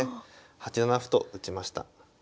８七歩と打ちました。